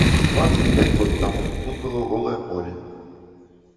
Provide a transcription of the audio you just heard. Дваццаць пяць год таму тут было голае поле.